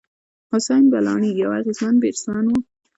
حسېن بلاڼي یو اغېزمن بېټسمېن وو.